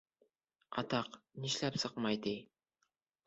Атаҡ, нишләп сыҡмай, ти?